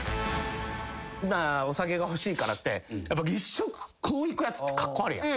お酒がほしいからってこういくやつってカッコ悪いやん。